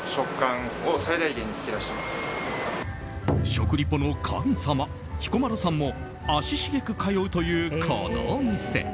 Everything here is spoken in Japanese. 食リポの神様・彦摩呂さんも足しげく通うというこのお店。